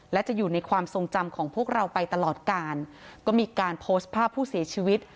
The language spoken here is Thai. และจะอยู่ในความทรงจำของพวกเราไปตลอดการก็มีการโพสต์ภาพผู้เสียชีวิต